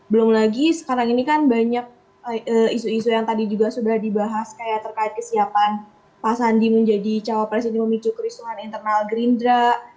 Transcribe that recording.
belum lagi sekarang ini kan banyak isu isu yang tadi juga sudah dibahas kayak terkait kesiapan pak sandi menjadi cawapres ini memicu kerusuhan internal gerindra